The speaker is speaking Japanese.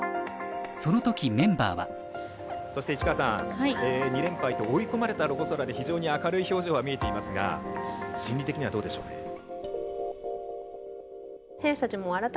その時メンバーは２連敗と追い込まれたロコ・ソラーレ非常に明るい表情が見えていますが心理的にはどうでしょうね。